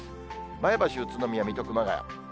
前橋、宇都宮、水戸、熊谷。